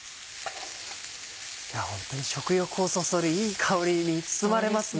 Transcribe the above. ホントに食欲をそそるいい香りに包まれますね。